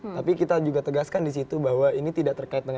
tapi kita juga tegaskan di situ bahwa ini tidak terkait dengan